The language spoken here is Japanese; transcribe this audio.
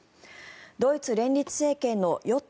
ドイツ連立政権の与党